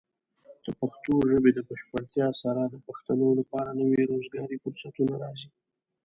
د پښتو ژبې د بشپړتیا سره، د پښتنو لپاره نوي روزګاري فرصتونه راځي.